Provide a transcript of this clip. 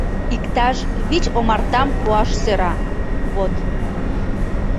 Иктаж вич омартам пуаш сӧра, вот...